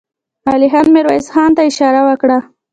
علی خان ميرويس خان ته اشاره وکړه.